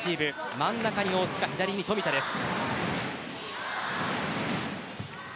真ん中に大塚、左に富田です。